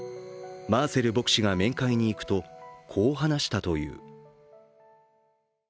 マーセル牧師が面会に行くと、こう話したという。